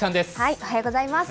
おはようございます。